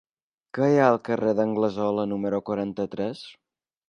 Què hi ha al carrer d'Anglesola número quaranta-tres?